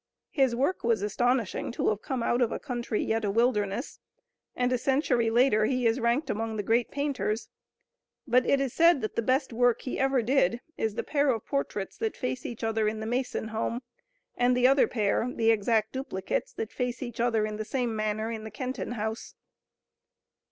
His work was astonishing to have come out of a country yet a wilderness, and a century later he is ranked among the great painters. But it is said that the best work he ever did is the pair of portraits that face each other in the Mason home, and the other pair, the exact duplicates that face each other in the same manner in the Kenton house.